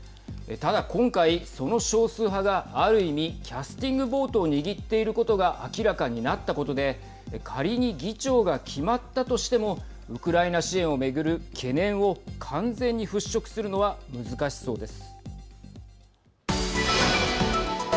ただ今回、その少数派がある意味キャスティングボートを握っていることが明らかになったことで仮に議長が決まったとしてもウクライナ支援を巡る懸念を完全に払拭するのは難しそうです。